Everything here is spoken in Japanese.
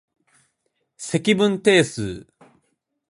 積分定数